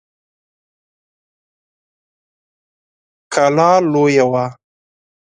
کلا لويه وه.